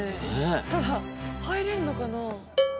ただ入れんのかな？